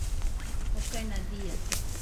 okaina dia